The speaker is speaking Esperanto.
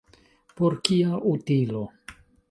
Por kia utilo?